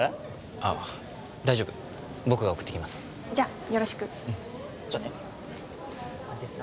あっ大丈夫僕が送っていきますじゃよろしくじゃあねでさ